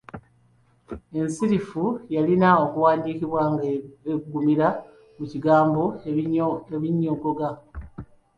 Ensirifu ‘ny’ yalina okuwandiikibwa nga eggumira mu kigambo ‘ebinyogoga’